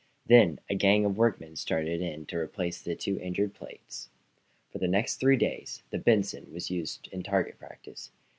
Then a gang of workmen started in to replace the two injured plates. For the next three days the "Benson" was used in target practice.